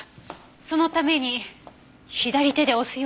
そのために左手で押すようになった。